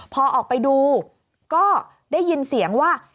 พอออกไปดูก็ได้ยินเสียงว่า